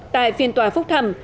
tại phiên tòa phúc thẩm